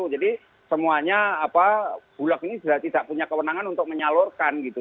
jadi semuanya bulog ini sudah tidak punya kewenangan untuk menyalurkan gitu